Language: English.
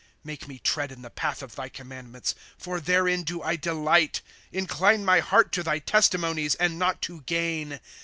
^^ Make me tread in the path of thy commandments ; For therein do I delight. ^^ Incline my heart to thy testimonies, And not to gain.